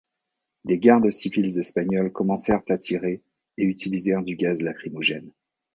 Des gardes civils espagnols commencèrent à tirer et utilisèrent du gaz lacrymogène.